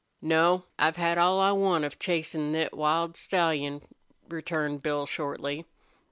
"No. I've had all I want of chasin' thet wild stallion," returned Bill, shortly.